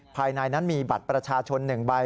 ภายในนั้นมีบัตรประชาชน๑ใบ